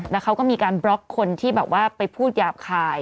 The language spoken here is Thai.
แล้วเขาก็มีการบล็อกคนที่แบบว่าไปพูดหยาบคาย